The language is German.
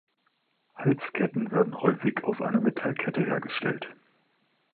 Halsketten werden häufig aus einer Metallkette hergestellt.